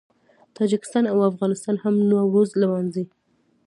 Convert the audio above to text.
تاجکستان او افغانستان هم نوروز لمانځي.